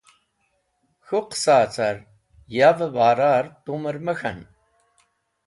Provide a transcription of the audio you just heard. K̃hũ qẽsaẽ car yavẽ barar tumẽr me k̃han.